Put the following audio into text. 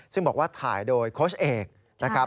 ซึ่งบอกว่าถ่ายโดยโค้ชเอกนะครับ